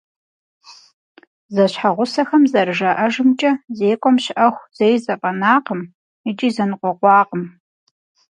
Зэщхьэгъусэхэм зэрыжаӏэжымкӏэ, зекӏуэм щыӏэху зэи зэфӏэнакъым икӏи зэныкъуэкъуакъым.